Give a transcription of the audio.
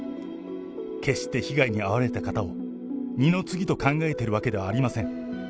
決して被害に遭われた方を二の次と考えているわけではありません。